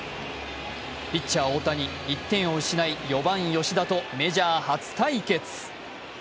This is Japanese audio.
ピッチャー・大谷、１点を失い、４番・吉田とメジャー初対決。